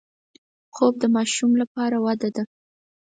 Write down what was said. خوب د ماشوم لپاره وده ده